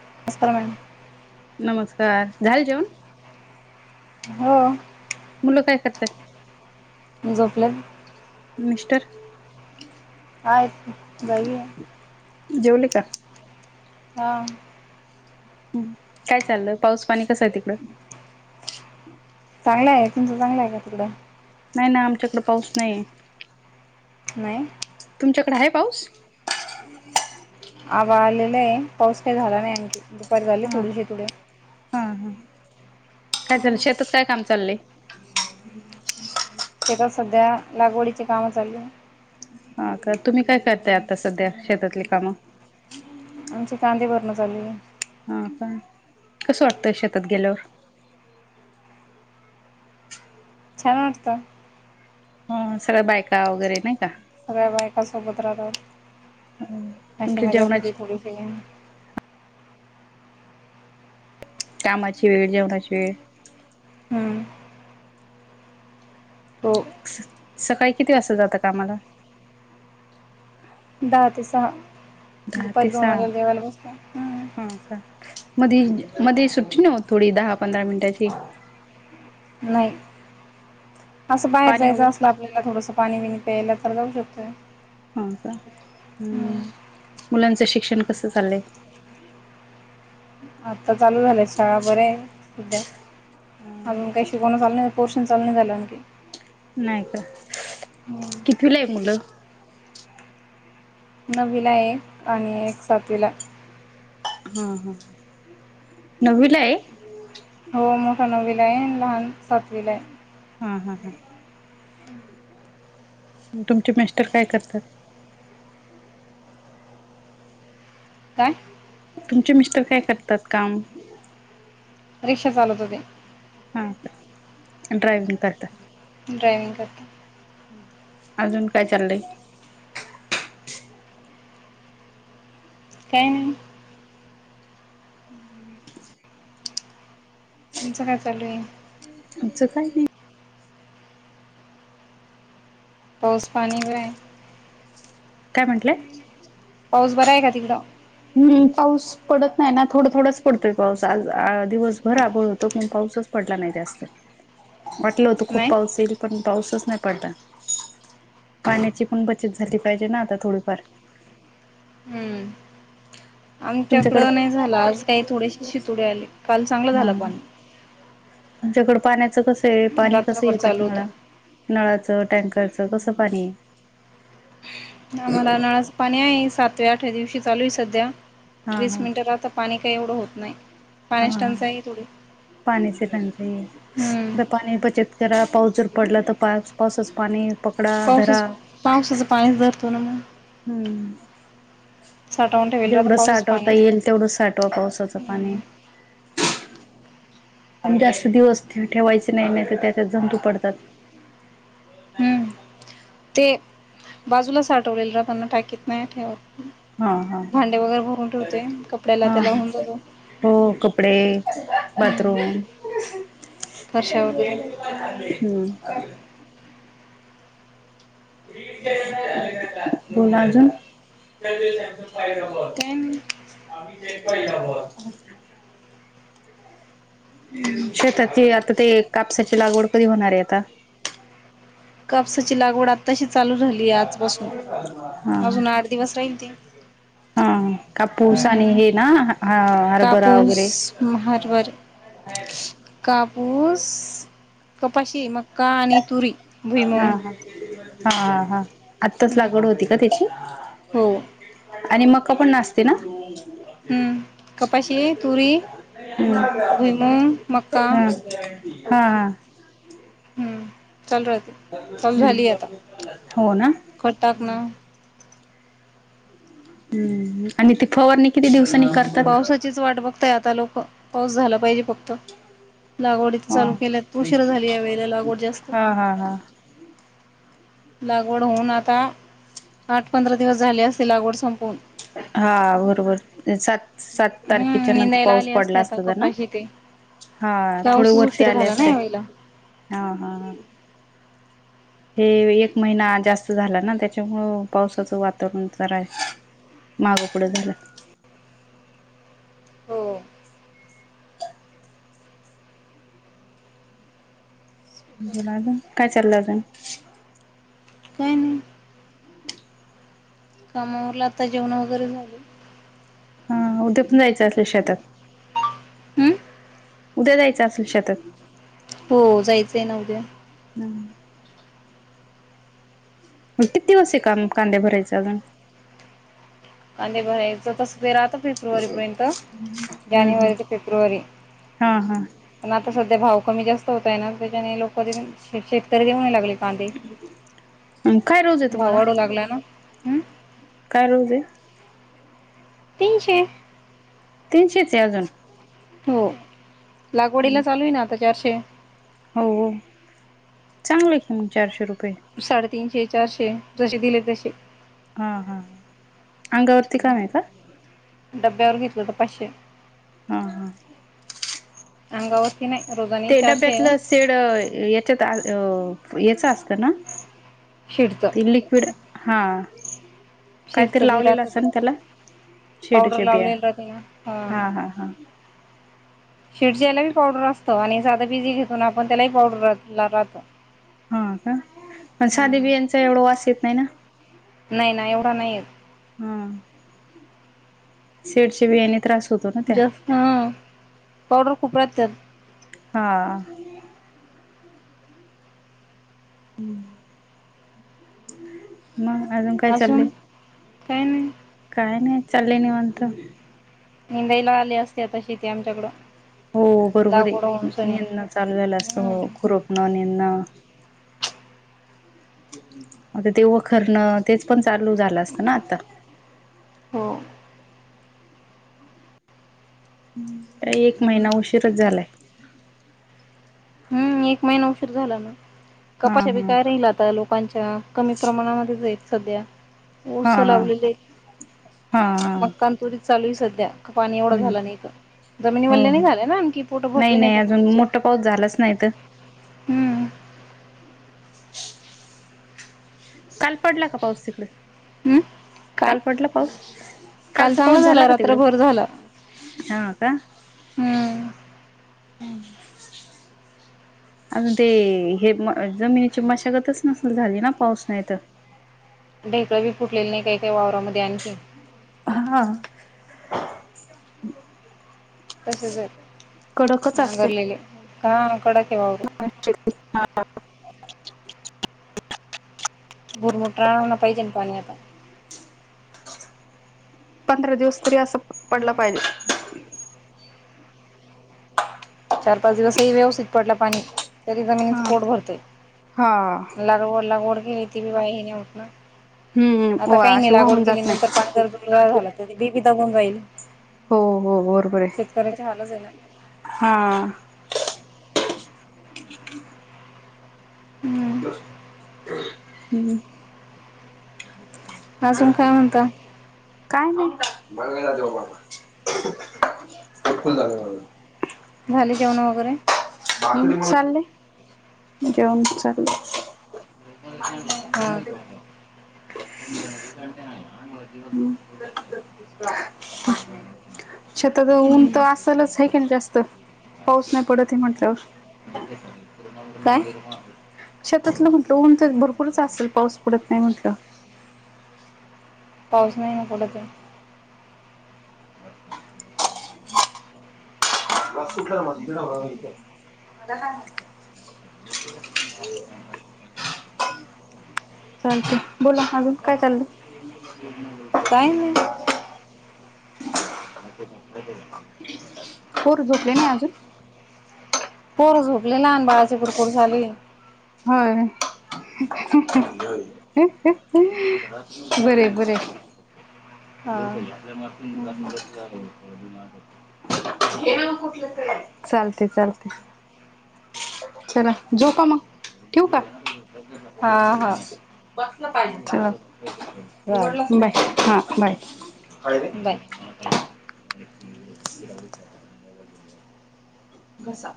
नमस्कार मॅडम नमस्कार झाल जेवण हो मुलं काय करतय झोपल्यात मिस्टर आहेत की जेवले का? हा. काय चालल पाऊस पाणी कस आहे तिकडं. [inaudible] चांगला आहे तुमचं चांगलं आहे का तिकडं? नाही ना आमच्याकडे पाऊस नाही आहे. नाही [inaudible] तुमच्याकडे आहे? पाऊस [inaudible] आभाळ आलेला आहे पाऊस काही झाला नाही आणखी दुपार झाली हा थोडीशी थोड. हा हा काय चाललंय? शेतात काय काम चाललंय? शेतात सध्या लागवडीचे काम चालू आहेत. हा तर तुम्ही काय करताय आता सध्या शेतातली कामं आमचे कांदे भरपूर झालेत. हा का, कस वाटतंय शेतात गेल्यावर? छान वाटत. हो सगळं बायका वगैरे नाही का? सगळ्या बायका सोबत राहतो [inaudible] हशी तुमच्या मजाक होती जेवणाची थोडीसी. कामाची वेळ, जेवणाची वेळ. हमं. तो सकाळी किती वाजता जाता कामाला दहा ते सहा दहा दुपारी ते दोन सहा वाजता जेवायला बसतो. हम्म हा का मध्ये, मध्ये सुट्टी नव थोडी दहा, पंधरा मिनटाची. नाही असं बाहेर पाणी जायच वगैरे असलं आपल्याला थोडस पाणी पेयला तर जाऊ शकतोय. हो का् हम्म. मुलांचं शिक्षण कसं चाललंय? आता चालू झालेय शाळा बरे आहे सध्या अजून काही शिकवण चालू नाही पोर चालू नाही झाल [unintelligible] नाही का कितवीला आहे मुलं? नवीला एक आणि एक सातवीला. हा ह [inaudible] नवीला आहे. हो मोठा नववीला आहे लहान सातवीला आहे. हां, हां, हां. तुमचे मिस्टर काय करतात? काय? तुमचे मिस्टर काय करतात काम? रिक्षा चालत होते. हा [inaudible] ड्रयविंग करता. ड्रायविंग करता अजून काय चाललंय? काही नाही. हम्म. [inaudible] तुमचं काय चालू आहे? आमचं काय नाही. पाऊस पाणी वेय काय म्हंटलंय? पाऊस बरा आहे का तिकड? हम् पाऊस पडत नाही ना थोडं-थोडच पडतोय पाऊस आज आ दिवसभर आबोळ होतो पण पाऊस पाऊसच पडला नाही जास्त. [inaudible] वाटलं होतं खूप नाही पाऊस येईल पण पाऊसच नाही पडला. पाण्याची पण बचत झाली पाहिजे ना आता थोडीफार. हम्म तुमच्याकड आमच्याकडं नाही झाला आज काही थोडेसे शितोडे आले काल चांगलं हा झालं पाणी तुमच्याकड पाण्याच कस पाणी कसं रात्रभर येतं चालू होतं तुम्हाला नळाचं टँकर खर्च कसं पाणी आम्हाला नळाचं पाणी आहे सातव्या आठव्या दिवशी चालू आहे सध्या हा वीस हा मिनिट आता पाणी का एवढं होत नाही हा पाण्याची हा टंचाई आहे थोडी पाणी स हम्म बनता पा बचत जरा पाऊस जर पडला तर पास पावसच पाणी पकडा धरा पावसाच पावसाचं पाणीच धरतो ना मग. हम्म साठवून ठेवेल राहतं जेवढं पावसाच पाणी साठवता येईल तेवढंच साठवा पावसाचं पाणी हम्म [unintelligible] आम जास्त दिवस ठेवायचे नाही नाही तर त्याच्यात जतू पडतात हम्म ते बाजूला साठवलेल र त्यांना टाकीत नाही ठेवत हा हा भांडे वगैरे भरून ठेवते कपड्याला हा त्याला हा होऊन जातो हो कपडे हम्म बाथरूम फरशा वगैरे. हम दोनाज आ काय नाही [inaudible] शेताची आता ते कापसाची लागवड कधी होणार आहे आता [unintelligible] कापसाची लागवड आताशी चालू झाली आजपसून हा अजून आठ दिवस राहील ते हा कापू सनी हे ना हा हरभरा कापूस वगैरे हा मारवर काप ऊस कपाशी मक्का आणि तुरी भुई हा मुग हा हा हा आत्ताच लागवड होती का त्याची हो आणि मक पण नाचते ना हम्म. ह कपाशी, तुरी, भुईमूग, मक्का हा [inaudible] हा हा हम्म. चालू राहते. चालू झाली आता हम हो ना खत टाकणं. हम आणि ती फवारणी किती दिवस पावसाचीच वाट बघताय आता लोक पाऊस झाला पाहिजे फक्त लागवडी ह चालु केल्या तर उशर झाली या वेळे लागवडीला जास्त हा हा हा लागवड होऊन आता आठ पंधरा दिवस झाले असते लागवड संपवून हा बरोबर सात सात हम्म तारखेच्या नंतर निंदायला पाऊस आले पडला असते असत आता तर ना कपाशी ते. हा थोडे पाऊसच वरती उशीर आले झाला ना असते यावेळेला. हा हा हे एक महिना जास्त झाला ना त्याच्यामुळं पावसाचं वातावरण जरा आहे माग पुड झालं [unintelligible] बोलाज काय चाललं काय नाही काम आवरले आता जेवण वगैरे झाले हा उद्या पण जायचं असलं शेतात हम्म उद्या जायचं असेल शेतात हो जायचं आहे ना उद्या ह किती वार्षे कान कांदे भरायचे अजून आणि बयचं तस फे राहता फेब्रुवारी पर्यंत हम्म जानेवारी ते हम्म फेब्रुवारी हा हा पण आता सध्या भाव कमी जास्त होतय ना त्याच्याने लोक शेतकरी देऊ लागले कां काय रोज आहे भाव तुम्हाला वाढू लागला ना हम काय रोज आहे तीनशे तीनशेच आहे अजून हो लागवडीला चालू आहे ना आता चारशे हो हो चांगलं आहे कि मग चारशे रुपये साडेतीनशे चारशे जसे दिले तसे हा हा अंगावरती काम आहे का डब्यावर घेतलंत पाचशे हम हम अंगावर ते डब्यातलं शेड याच्यात अ याच असत ना शिडचं ते लिक्विड हा काहीतरी शिडचं बी लावलेलं राहत असं ते ना त्याला पावडर शेडीच्या बिया लावलेली राहते ना हा हा हा शिडच्यायलली पावडर असतो आणि साध बिझयी घेतो ना आपण त्यालाही पावडर राहतो हा का पण साधे बियाचा एवढं वास येत नाही ना नाही ना एवढा नाही आहेत ह शेडचे बीयाने जास्त ह पावडर खूप राहते त्यात हा हं मग अजून काय चाललय काही नाही काय नाही चालले म्हणत मुंबई ला आली असते आता शेती आमच्याकडं हो बरोबर लागवड आहे उंचणे नेंद चालूयला असतं हो खुरोप न ने ना आता तेव्हाखरणं तेच पण चाल चाल झालं असत ना आ हो एक महिना उशीरच झालाय हम् एक महिना उशीर झाला ना हा कपाश बी हा काय राहिल आता लोकांच्या कमी प्रमाणामध्ये जाईेत सध्या ऊस हा हा लावलेले हा हा मक्कान तुरीत चालू आहे सध्या पाणी एवढं हम्म झालं नाही तर हो जमिनीवाल्या नाही हो झालं ना आणखी पोट भरले नाही जमनीचे नाहीत काल पडला का पाऊस तकडे हम्म काय कालपटलं पाऊ काल कालचा चांगलं पाऊस झाला झालं का तिकड रात्रभर झालं हा का हम्म ह अजून ते हे जमिनीची मशागतच नसल झाली ना पाऊस नाही तर [inaudible] जमीन क्रवी फुटलेले नाही काही काही वावरामध्ये आणखी हा तसेच आहे नांगरलेले का कड हा बुरमुुठ राहना पाहिज ना पाणी आता पंधरा दिवस तरी असं पडलं हम्म. पाहिजे चार पाच दिवसही व्यवस्थित पडला पाणी तरी हा जमिनीचं पोट भरतंय हा लागवड लागवड. घती बी बाई नाही उतणार. हम्म आता वा काही नाही अशी लागवड वाहून केली जात नंतर नाही पाणी जर दु झालं त बीबी दगून जाईल. हो हो बरोबर आहे शेतकऱ्याचे हालच आहे ना. हा. हम्म हम्म. अजून काय म्हणता काय नाही. मगवेलाजव बा खु झागग खाली जाऊना वगैरे चाले जेऊन चा. अन. हा हम्म बससस. शछतात ऊन तर हम्म. असलच आहे की ना जास्त पाऊस नाही पडत हे म्हटल्यावर काय? शतातलं म्हटलं ऊन तर भरपूरच असेल पाऊस पडत नाही म्हटलं. पाऊस नाही ना कठच मा. काही आवाज येकु येत नाही. चालत बोला अजून काय चालल. काय ना. होर झोपले ना अजून पोर झोपले लहान बाळाचे होय. बर बर. जात झा हो. चालते चालते. चला झोपा मगं ठेवू का. हा हा बसलं पाहिजे च चालतंय. उघडल बाय हा बाय. बाय. [inaudible] घसा.